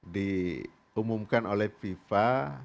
diumumkan oleh viva